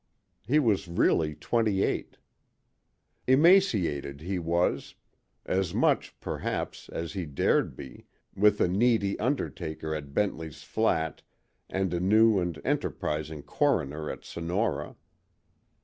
He was really twenty eight. Emaciated he was; as much, perhaps, as he dared be, with a needy undertaker at Bentley's Flat and a new and enterprising coroner at Sonora.